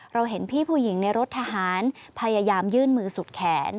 เห็นพี่ผู้หญิงในรถทหารพยายามยื่นมือสุดแขน